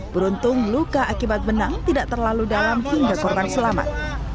beruntung luka akibat benang tidak terlalu dalam hingga korban selamat